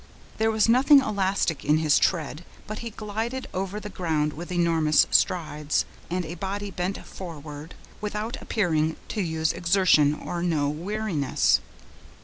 There was nothing elastic in his tread, but he glided over the ground with enormous strides, and a body bent forward, without appearing to use exertion, or know weariness.